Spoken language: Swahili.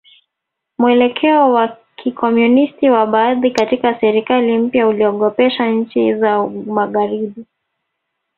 Mwelekeo wa Kikomunisti wa baadhi katika serikali mpya uliogopesha nchi za Magharibi